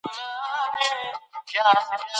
څېړونکي د مناسب وخت پلټنه کوي.